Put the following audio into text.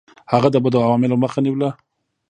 هغه د بدو عواملو مخه نیوله.